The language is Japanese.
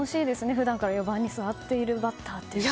普段から４番に座っているバッターは。